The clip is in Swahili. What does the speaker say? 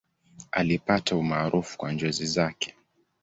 Alipata umaarufu kwa njozi zake.